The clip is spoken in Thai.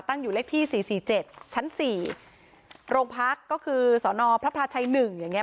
อยู่เลขที่สี่สี่เจ็ดชั้นสี่โรงพักก็คือสอนอพระพลาชัยหนึ่งอย่างเงี้